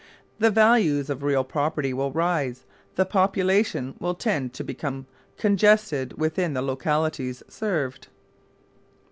The values of real property will rise, and population will tend to become congested within the localities' served.